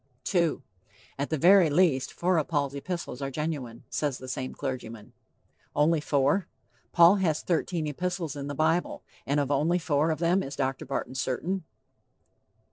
II. "At the very least, four of Paul's epistles are genuine," says the same clergyman. Only four? Paul has thirteen epistles in the bible, and of only four of them is Dr. Barton certain.